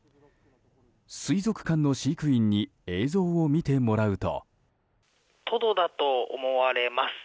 水族館の飼育員に映像を見てもらうと。